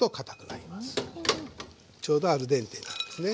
ちょうどアルデンテになるんですね。